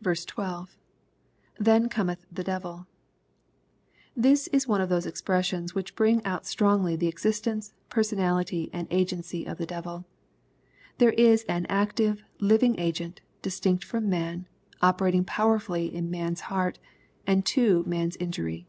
12. — [Then cometh the deviL] This is one of those expressions which bring out strongly the existence, personality, and agency of the devil There is an active, Hving agent, distinct from man, operat ing powerfully in man's heart, and to man's injury.